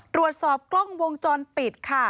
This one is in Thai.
ตรวจสอบกล้องวงจรปิดค่ะ